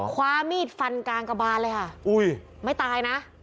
คว้ามีดฟันกลางกระบานเลยค่ะอุ้ยไม่ตายนะ